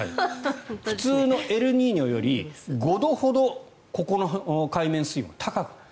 普通のエルニーニョより５度ほどここの海面水温が高くなる。